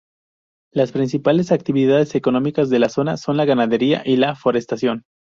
Las principales actividades económicas de la zona son la ganadería y la forestación.